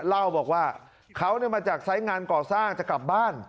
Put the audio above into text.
เล่าบอกว่าเขามาจากไซส์งานก่อสร้างจะกลับบ้าน